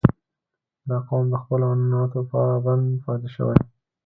• دا قوم د خپلو عنعناتو پابند پاتې شوی.